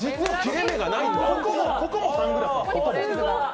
ここもサングラス。